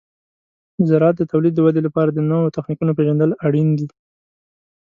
د زراعت د تولید د ودې لپاره د نوو تخنیکونو پیژندل اړین دي.